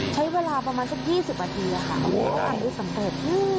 ใช้เวลาประมาณสัก๒๐นาทีเลยค่ะอันนี้สำเร็จ